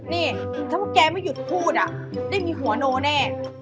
นี่ถ้าแม่งแกไม่หยุดพูดอ่ะได้มีหัวโน้แน่